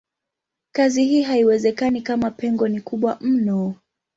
Kazi hii haiwezekani kama pengo ni kubwa mno.